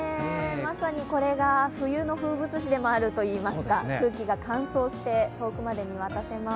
まさにこれが冬の風物詩でもあるといいますか、空気が乾燥して遠くまで見渡せます。